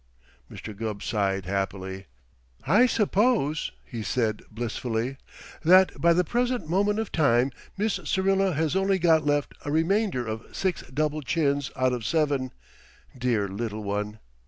Mr. Gubb sighed happily. "I suppose," he said blissfully, "that by the present moment of time Miss Syrilla has only got left a remainder of six double chins out of seven, dear little one!"